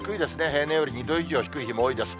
平年より２度以上低い日も多いです。